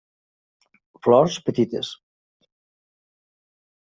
Flors petites.